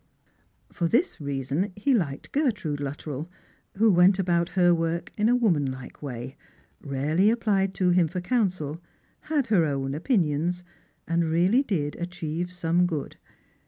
For this reason he liked Gertrude Luttrell, who went about her work in a womanUke way, rarely applied to him for counsel, had her own opinions, and really did achieve some good.